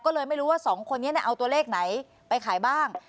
ก็เลยไม่รู้ว่าสองคนนี้เอาตัวเลขไหนไปขายบ้าง